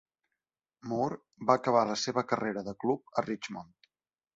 Moore va acabar la seva carrera de club a Richmond.